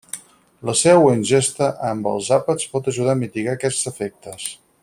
La seua ingesta amb els àpats pot ajudar a mitigar aquests efectes.